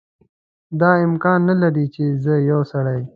دا امکان نه لري چې زه یو سړی.